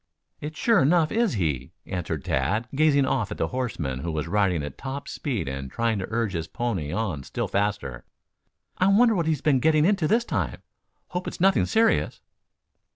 "It sure enough is he," answered Tad, gazing off at the horseman who was riding at top speed and trying to urge his pony on still faster. "I wonder what he has been getting into this time. Hope it's nothing serious."